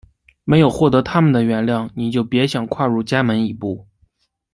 没有获得它们的原谅你就别想跨入家门一步！